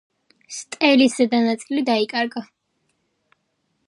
სტელის ზედა ნაწილი დაიკარგა.